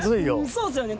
そうっすよね